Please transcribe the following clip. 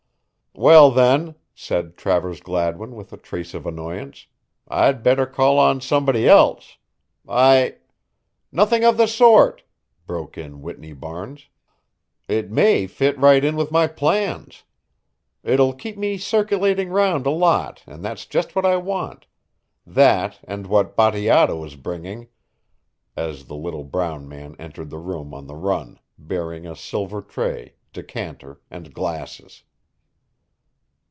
"Well, then," said Travers Gladwin with a trace of annoyance, "I'd better call on somebody else. I" "Nothing of the sort," broke in Whitney Barnes. "It may fit right in with my plans. It'll keep me circulating round a lot and that's just what I want that and what Bateato is bringing," as the little brown man entered the room on the run, bearing a silver tray, decanter and glasses.